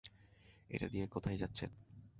ওটা নিয়ে কোথায় যাচ্ছেন?